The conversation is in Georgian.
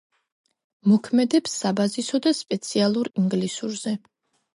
მოქმედებს საბაზისო და სპეციალურ ინგლისურზე.